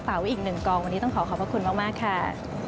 ไว้อีกหนึ่งกองวันนี้ต้องขอขอบพระคุณมากค่ะ